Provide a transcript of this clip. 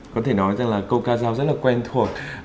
có thể nói rằng là câu ca giao rất là quen thuộc